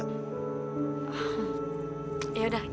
ayo kita ke belakang